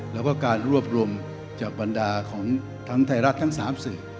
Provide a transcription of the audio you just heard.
แล้วก็การรวบรวมจากบรรดาของทั้งไทยรัฐทั้ง๓สื่อ